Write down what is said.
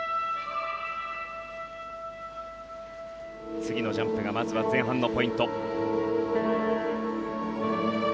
次のジャンプがまずは前半のポイント。